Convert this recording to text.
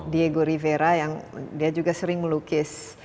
diego rivera yang dia juga sering melukis